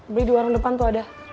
beli di warung depan tuh ada